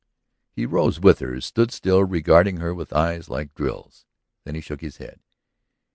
He rose with her, stood still, regarding her with eyes like drills. Then he shook his head.